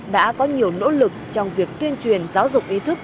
đã có nhiều nỗ lực trong việc tuyên truyền giáo dục ý thức